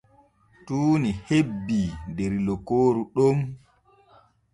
Tuuni hebbii der lokooru ɗon.